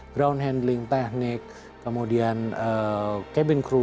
ground handling teknik kemudian cabin crew